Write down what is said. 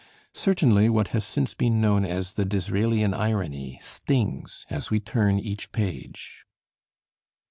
Certainly what has since been known as the Disraelian irony stings as we turn each page.